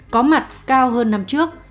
có mặt cao hơn năm trước